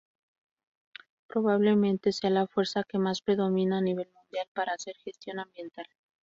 Probablemente sea la fuerza que más predomina a nivel mundial para hacer gestión ambiental.